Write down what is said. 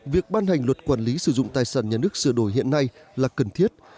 việc ban hành luật quản lý sử dụng tài sản nhà nước sửa đổi hiện nay là cần thiết